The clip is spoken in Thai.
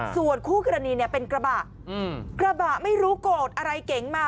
ส่วนคู่กรณีเนี่ยเป็นกระบะกระบะไม่รู้โกรธอะไรเก๋งมา